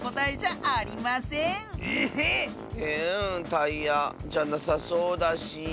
タイヤじゃなさそうだし。